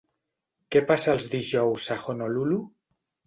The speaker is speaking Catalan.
Què passa els dijous a Honolulu?